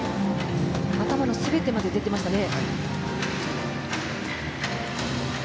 頭の全てまで出ていましたね。